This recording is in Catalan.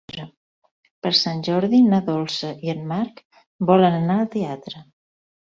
Per Sant Jordi na Dolça i en Marc volen anar al teatre.